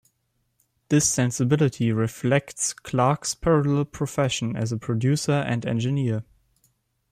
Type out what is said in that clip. This sensibility reflects Clark's parallel profession as a producer and engineer.